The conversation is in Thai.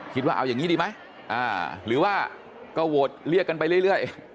คิดว่าเอาอย่างนี้ดีไหมหรือว่าก็โหวตเรียกกันไปเรื่อย